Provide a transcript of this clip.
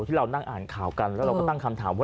ที่เรานั่งอ่านข่าวกันแล้วเราก็ตั้งคำถามว่า